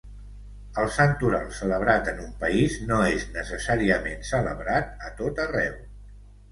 El santoral celebrat en un país no és necessàriament celebrat a tot arreu.